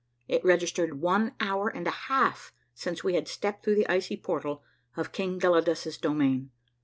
It registered one liour and a half since we had stepped through the icy portal of King Gelidus' domain.